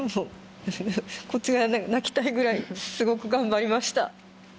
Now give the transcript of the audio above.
こっちが泣きたいぐらいすごく頑張りました。